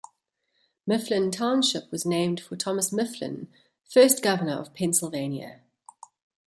Mifflin Township was named for Thomas Mifflin, first governor of Pennsylvania.